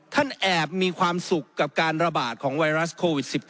ท่านแอบมีความสุขกับการระบาดของไวรัสโควิด๑๙